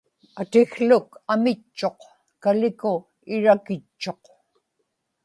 atikłuk amitchuq; kaliku irakitchuq